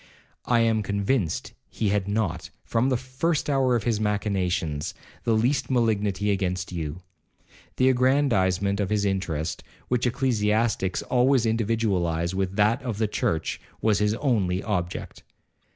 I am convinced he had not, from the first hour of his machinations, the least malignity against you. The aggrandizement of his interest, which ecclesiastics always individualize with that of the church, was his only object.